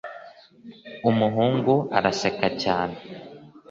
umuhungu araseka cyane